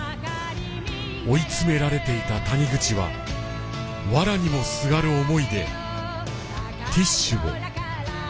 追い詰められていた谷口はわらにもすがる思いでティッシュを寝かせた。